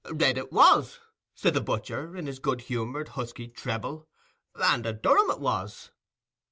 "Red it was," said the butcher, in his good humoured husky treble—"and a Durham it was."